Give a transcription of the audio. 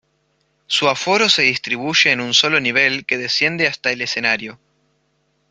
Su aforo se distribuye en un solo nivel que desciende hasta el escenario.